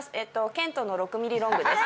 ケントの６ミリロングです。